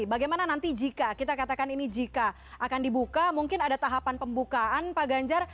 bagaimana nanti jika kita katakan ini jika akan dibuka mungkin ada tahapan pembukaan pak ganjar